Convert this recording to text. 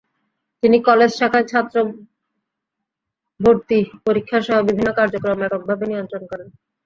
তিনি কলেজ শাখায় ছাত্র ভর্তি, পরীক্ষাসহ বিভিন্ন কার্যক্রম এককভাবে নিয়ন্ত্রণ করেন।